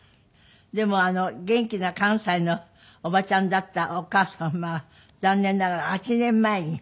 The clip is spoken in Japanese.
でも元気な関西のおばちゃんだったお母様は残念ながら８年前に７４歳で。